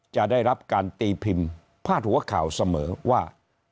จะได้รับการตีพิมพ์พาดหัวข่าวเสมอว่า